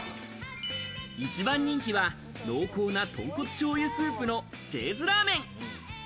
一番人気は濃厚な豚骨しょうゆスープのＪ’ｓラーメン。